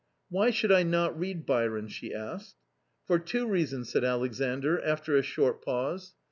" Why should I not read Byron ?" she asked. " For two reasons," said Alexandr, after a short pause.